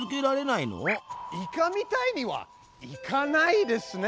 イカみたいにはイカないですね。